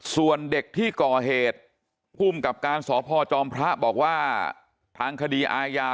ส่วนเด็กที่ก่อเหตุภูมิกับการสพจอมพระบอกว่าทางคดีอาญา